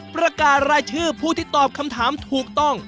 ประกาศรายชื่อผู้ที่ตอบคำถามถูกต้อง